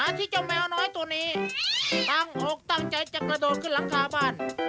ที่เจ้าแมวน้อยตัวนี้ตั้งอกตั้งใจจะกระโดดขึ้นหลังคาบ้าน